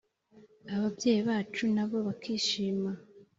ababyeyi bacu nabo bakishima